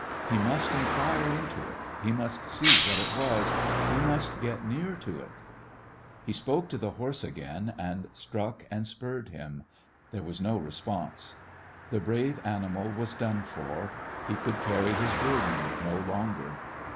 He must inquire into it ; he must see what it was; he must get near to it. He spoke to the horse again, and struck and spiured him. There was no response. The brave animal was done for; he could carry his burden no longer.